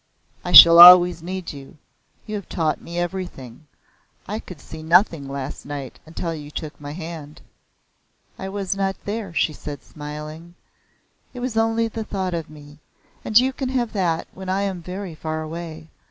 "I shall always need you. You have taught me everything. I could see nothing last night until you took my hand." "I was not there," she said smiling. "It was only the thought of me, and you can have that when I am very far away.